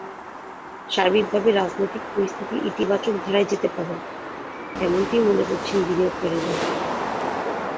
সার্বিকভাবে রাজনৈতিক পরিস্থিতি ইতিবাচক ধারায় যেতে পারে, এমনটিই মনে করছেন বিনিয়োগকারীরা।